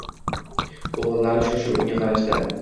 O‘g‘illari shoshib unga qarashdi